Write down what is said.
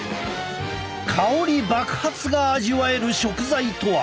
香り爆発が味わえる食材とは。